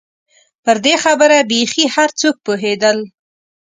پر دې خبره بېخي هر څوک پوهېدل.